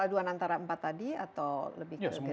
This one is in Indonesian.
paduan antara empat tadi atau lebih ke genetik semua